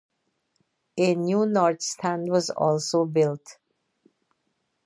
A new North Stand was also built.